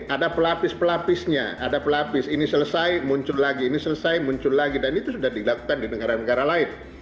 ada pelapis pelapisnya ada pelapis ini selesai muncul lagi ini selesai muncul lagi dan itu sudah dilakukan di negara negara lain